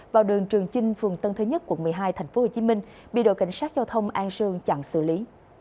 vào đường trường chinh phường tân thế nhất quận một mươi hai tp hcm bị đội cảnh sát giao thông an sương chặn xử lý